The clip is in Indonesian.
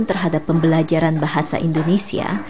terhadap pembelajaran bahasa indonesia